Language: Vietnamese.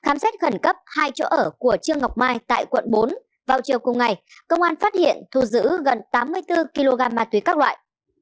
khám xét khẩn cấp hai chỗ ở của trương ngọc mai tại quận bốn vào chiều cùng ngày công an phát hiện thu giữ gần tám mươi bốn kg ma túy các loại